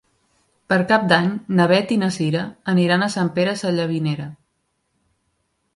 Per Cap d'Any na Beth i na Cira aniran a Sant Pere Sallavinera.